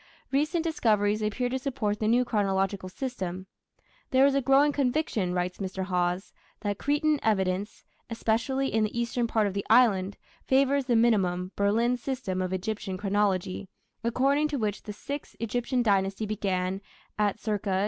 Recent discoveries appear to support the new chronological system. "There is a growing conviction", writes Mr. Hawes, "that Cretan evidence, especially in the eastern part of the island, favours the minimum (Berlin) system of Egyptian chronology, according to which the Sixth (Egyptian) Dynasty began at c.